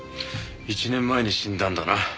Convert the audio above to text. １年前に死んだんだな。